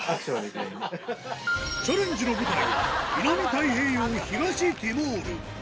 チャレンジの舞台は、南太平洋東ティモール。